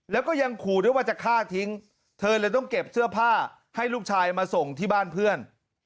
แล้วก็ยังขู่ด้วยว่าจะฆ่าทิ้งเธอเลยต้องเก็บเสื้อผ้าให้ลูกชายมาส่งที่บ้านเพื่อน